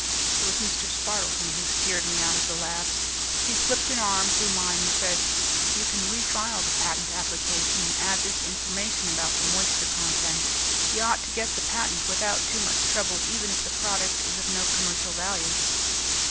It was Mr. Spardleton who steered me out of the labs. He slipped an arm through mine and said, "You can refile the patent application and add this information about the moisture content. You ought to get the patent without too much trouble even if the product is of no commercial value."